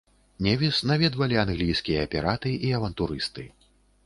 Невіс наведвалі англійскія піраты і авантурысты.